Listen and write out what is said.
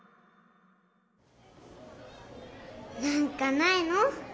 なんかないの？